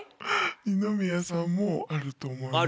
二宮さんもあると思います。